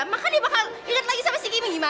maka dia bakal nyurut dia